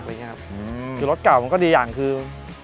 คือรถเก่ามันก็ดีอย่างคือ